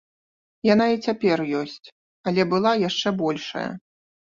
Яна і цяпер ёсць, але была яшчэ большая.